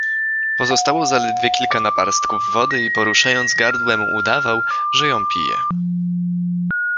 Pozostało zaledwie kilka naparstków wody i poruszając gardłem, udawał, że ją pije.